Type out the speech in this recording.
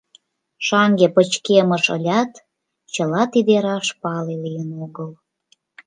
Шаҥге пычкемыш ылят, чыла тиде раш пале лийын огыл.